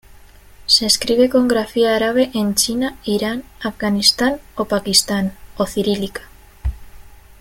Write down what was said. Se escribe con grafía árabe en China, Irán, Afganistán o Pakistán; o cirílica.